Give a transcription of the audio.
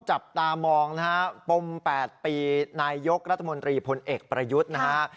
จับตามองนะฮะปม๘ปีนายยกรัฐมนตรีพลเอกประยุทธ์นะฮะ